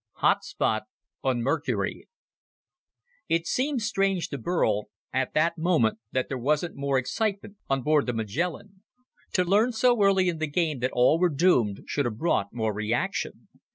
Hot Spot on Mercury It seemed strange to Burl at that moment that there wasn't more excitement on board the Magellan. To learn so early in the game that all were doomed should have brought more reaction.